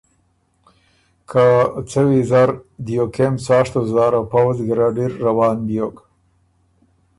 که څۀ ویزر دیو کېم څاشتُو زاره پؤُځ ګیرډ اِر روان بیوک